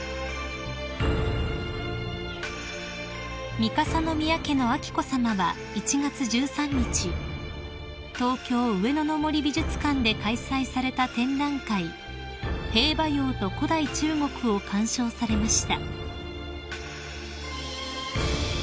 ［三笠宮家の彬子さまは１月１３日東京上野の森美術館で開催された展覧会「兵馬俑と古代中国」を鑑賞されました］